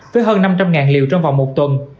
với hơn năm trăm linh liều trong vòng một tuần